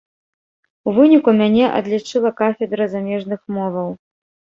У выніку мяне адлічыла кафедра замежных моваў.